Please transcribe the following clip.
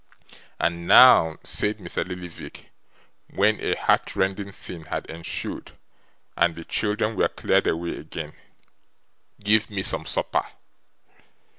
'And now,' said Mr. Lillyvick, when a heart rending scene had ensued and the children were cleared away again, 'give me some supper.